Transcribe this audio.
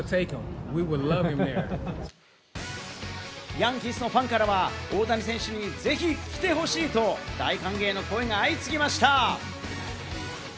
ヤンキースのファンからは大谷選手にぜひ来てほしいと大歓迎の声が相次ぎました。